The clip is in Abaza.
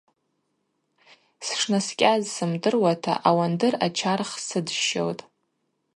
Сшнаскӏьаз сымдыруата ауандыр ачарх сыдщщылтӏ.